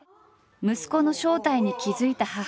息子の正体に気付いた母。